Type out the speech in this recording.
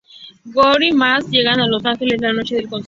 Goofy y Max llegan a Los Ángeles la noche del concierto.